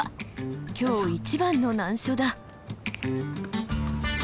今日一番の難所だ。